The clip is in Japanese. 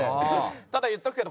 ただ言っとくけど。